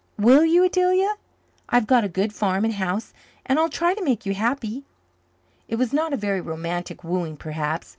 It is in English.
Will you, Adelia? I've got a good farm and house, and I'll try to make you happy." It was not a very romantic wooing, perhaps.